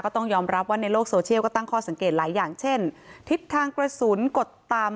ต้องยอมรับว่าในโลกโซเชียลก็ตั้งข้อสังเกตหลายอย่างเช่นทิศทางกระสุนกดต่ำ